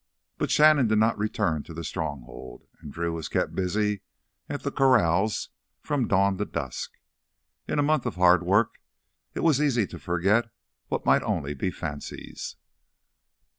But Shannon did not return to the Stronghold, and Drew was kept busy at the corrals from dawn to dusk. In a month of hard work it was easy to forget what might only be fancies.